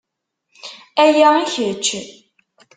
Aya i kečč.